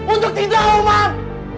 untuk cidau man